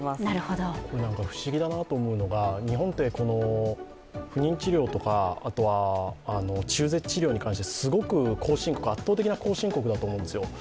不思議だなと思うのは日本って不妊治療とかあとは中絶治療については、圧倒的な後進国だと思うんですよ。